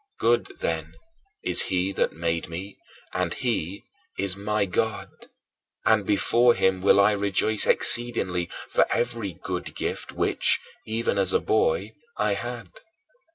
Good, then, is he that made me, and he is my God; and before him will I rejoice exceedingly for every good gift which, even as a boy, I had.